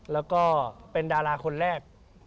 แล้วก็เป็นดาราคนแรก